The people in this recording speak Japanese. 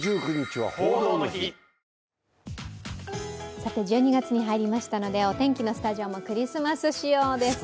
さて、１２月に入りましたので、お天気のスタジオもクリスマス仕様です。